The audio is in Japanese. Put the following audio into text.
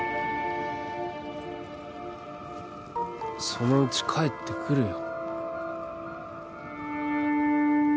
そのうち帰ってくるよ